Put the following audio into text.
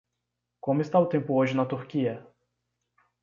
Como está o tempo hoje na Turquia?